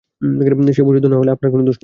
সে পরিশুদ্ধ না হলে আপনার কোন দোষ নেই।